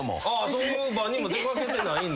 そういう場にも出掛けてないんだ？